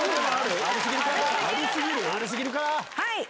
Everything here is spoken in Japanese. はい！